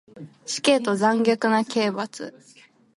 死刑と残虐な刑罰